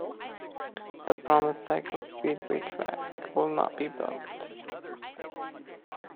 The promised cycle speedway track will not be built.